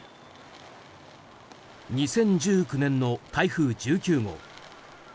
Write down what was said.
２０１９年の台風１９号。